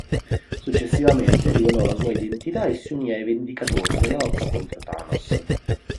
Successivamente rivelò la sua identità e si unì ai Vendicatori nella lotta contro Thanos.